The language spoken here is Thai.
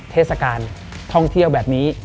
เทศกาลท่องเที่ยวแบบนี้